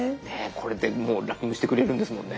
これでもうラッピングしてくれるんですもんね。